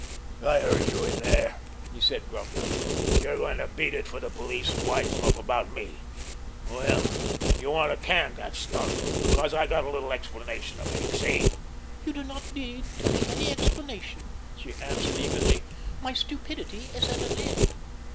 "I heard you in there," he said gruffly. "You're going to beat it for the police, and wise them up about me. Well, you want to can that stunt, because I've got a little explanation to make. See?" "You do not need to make any explanation," she answered evenly. "My stupidity is at an end!